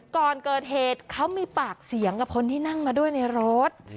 ก่อนเกิดเหตุเขามีปากเสียงกับคนที่นั่งมาด้วยในรถ